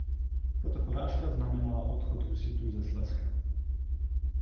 Tato porážka znamenala odchod husitů ze Slezska.